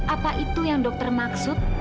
apa itu yang dokter maksud